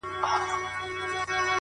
راسه چي له ځان سره ملنګ دي کم!!